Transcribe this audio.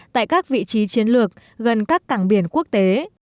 tại các vị trí chiến lược gần các cảng biển quốc tế